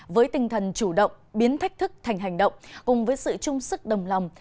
với tinh thần chủ động biến thách thức thành hành động cùng với sự trung sức đồng lòng